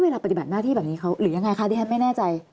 ปฏิบัติหน้าที่แบบนี้เขาหรือยังไงคะที่ฉันไม่แน่ใจ